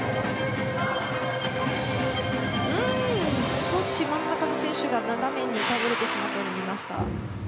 少し真ん中の選手が斜めに倒れたように見えました。